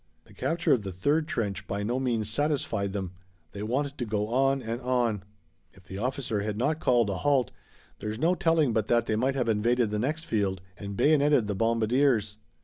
The capture of the third trench by no means satisfied them. They wanted to go on and on. If the officer had not called a halt there's no telling but that they might have invaded the next field and bayoneted the bombardiers.